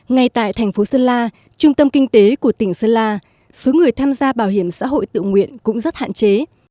ngay tại thành phố sơn la trung tâm kinh tế của tỉnh sơn la số người tham gia bảo hiểm xã hội tự nguyện cũng rất hạn chế